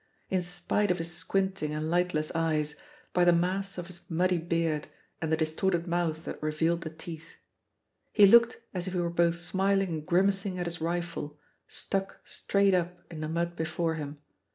in spite of his squinting and lightless eyes, by the mass of his muddy beard and the distorted mouth that revealed the teeth. He looked as if he were both smiling and grimacing at his rifle, stuck straight up in the mud before him.